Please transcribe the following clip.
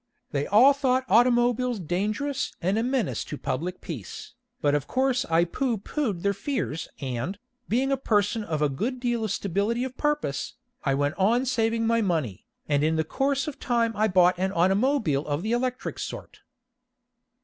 They all thought automobiles dangerous and a menace to public peace, but of course I pooh poohed their fears and, being a person of a good deal of stability of purpose, I went on saving my money, and in course of time I bought an automobile of the electric sort.